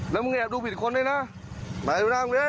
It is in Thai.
แล้วมึงแอบดูผิดคนด้วยนะไหนดูห้องน้ำดิ